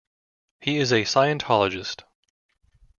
He is a Scientologist.